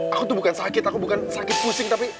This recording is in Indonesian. aku tuh bukan sakit aku bukan sakit pusing tapi